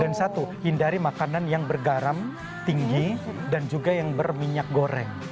dan satu hindari makanan yang bergaram tinggi dan juga yang berminyak goreng